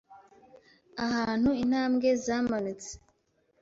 Ahantu intambwe zamanutse